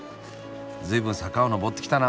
随分坂を上ってきたな。